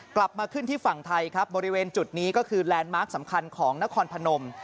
กลับมาขึ้นที่ฝั่งไทยครับบริเวณจุดนี้ก็คือแลนด์มาร์คสำคัญของนครพนม